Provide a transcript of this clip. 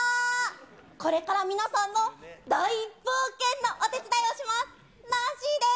これから皆さんの大冒険のお手伝いをします、ナンシーです！